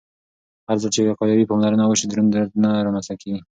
هرځل چې وقایوي پاملرنه وشي، دروند درد نه رامنځته کېږي.